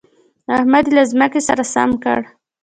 احمد يې له ځمکې سره سم کړ.